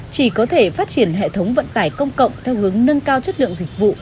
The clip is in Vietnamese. chỉ có thể phát triển hệ thống vận tải công cộng theo hướng nâng cao chất lượng dịch vụ